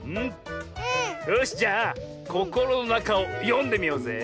よしじゃあ「ココロのなか」をよんでみようぜ。